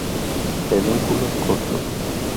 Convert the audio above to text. Pedúnculos cortos.